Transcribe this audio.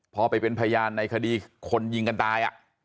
พอไปเป็นพยานในคดีคนยิงกันตาย